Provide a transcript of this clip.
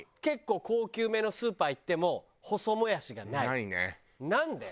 結構高級めのスーパー行っても細もやしがない。